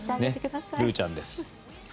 ルーちゃんです。